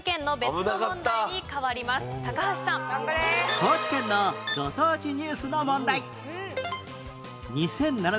高知県のご当地ニュースの問題